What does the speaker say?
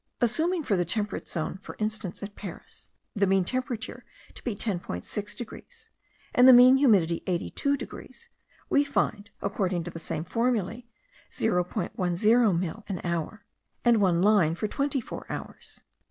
Assuming for the temperate zone, for instance at Paris, the mean temperature to be 10.6 degrees, and the mean humidity 82 degrees, we find, according to the same formulae, 0.10 mill., an hour, and 1 line for twenty four hours.